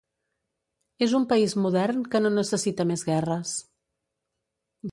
És un país modern que no necessita més guerres.